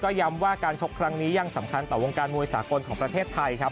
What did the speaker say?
ย้ำว่าการชกครั้งนี้ยังสำคัญต่อวงการมวยสากลของประเทศไทยครับ